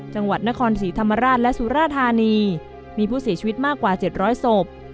จังหวัดนครศรีธรรมราชและสุราธานีมีผู้เสียชีวิตมากกว่า๗๐๐ศพ